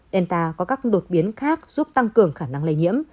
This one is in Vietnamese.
delta có các đột biến khác giúp tăng cường khả năng lây nhiễm